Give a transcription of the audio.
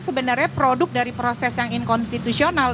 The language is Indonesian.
sebenarnya produk dari proses yang inkonstitusional